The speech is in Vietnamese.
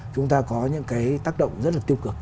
chúng ta có những cái tác động rất là tiêu cực